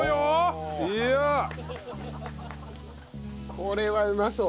これはうまそう！